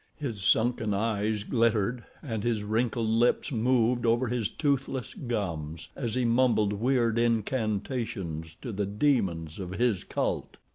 His sunken eyes glittered and his wrinkled lips moved over toothless gums as he mumbled weird incantations to the demons of his cult.